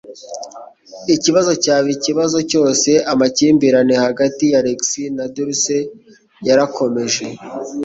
Ikibazo cyaba ikibazo cyose, amakimbirane hagati ya Alex na Dulce yarakomeje.